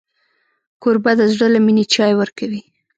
کوربه د زړه له مینې چای ورکوي.